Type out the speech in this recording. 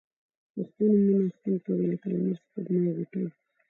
پښتو نومونه خوند کوي لکه لمر، سپوږمۍ، غوټۍ